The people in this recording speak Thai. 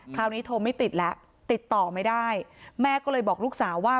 โทรไม่ติดแล้วติดต่อไม่ได้แม่ก็เลยบอกลูกสาวว่า